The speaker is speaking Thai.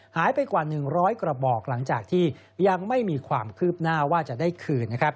หายไปกว่า๑๐๐กระบอกหลังจากที่ยังไม่มีความคืบหน้าว่าจะได้คืนนะครับ